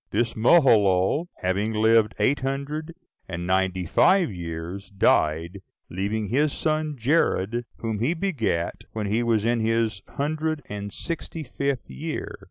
This Malaleel, having lived eight hundred and ninety five years, died, leaving his son Jared, whom he begat when he was in his hundred and sixty fifth year.